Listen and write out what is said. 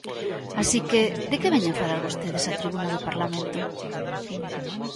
Así que ¿de que veñen falar vostedes á tribuna do Parlamento?